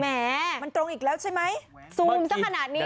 แหมมันตรงอีกแล้วใช่ไหมซูมสักขนาดนี้